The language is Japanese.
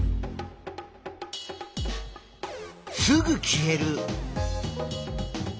すぐ消える。